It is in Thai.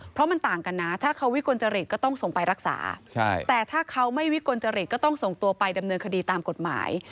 เพราะมันต่างกันนะถ้าเขาวิกลจริตก็ต้องส่งไปรักษาแต่ถ้าเขาไม่วิกลจริตก็ต้องส่งตัวไปดำเนินคดีตามกฎหมาย